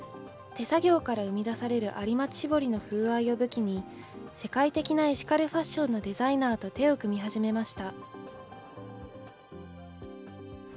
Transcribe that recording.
手作業から生み出されるありまつしぼりの風合いを武器に、世界的なエシカルファッションのデザイナーと手を組み始めました。